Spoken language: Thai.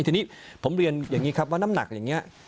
ทีนี้ผมเรียนว่าน้ำหนักอย่างนี้